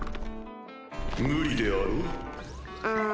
無理であろう？